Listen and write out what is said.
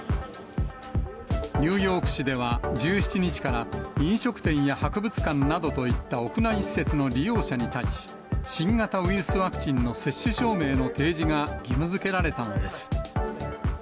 ニューヨーク市では、１７日から飲食店や博物館などといった屋内施設の利用者に対し、新型ウイルスワクチンの接種証明の提示が義務づけられたのです。